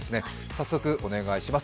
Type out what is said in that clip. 早速お願いします。